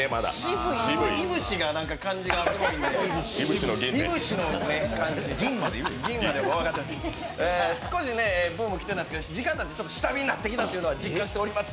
いぶしの感じがすごいので、いぶしの銀まで少しブーム来てたんですけど、時間になって下火になってきたっていうのは実感しています。